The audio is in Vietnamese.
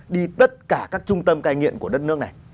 đi tất cả các trung tâm cai nghiện của đất nước này